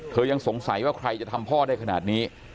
ยังสงสัยว่าใครจะทำพ่อได้ขนาดนี้